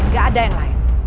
gak ada yang lain